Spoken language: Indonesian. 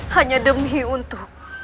hanya demi untuk